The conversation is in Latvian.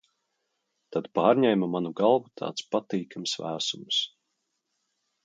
Tad pārņēma manu galvu tāds patīkams vēsums.